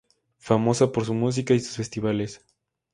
Famosa por su música y sus festivales.